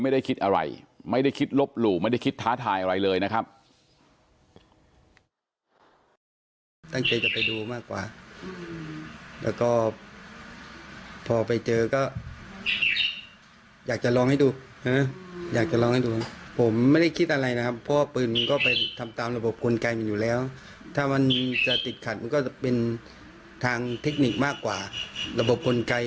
อะไรเลยนะครับ